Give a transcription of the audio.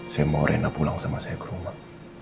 saya mau rena pulang sama saya ke rumah